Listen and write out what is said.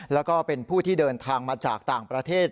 แล้วก็เป็นผู้ที่เดินทางมาจากต่างประเทศ